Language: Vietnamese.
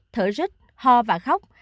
thở rứt ho và khóc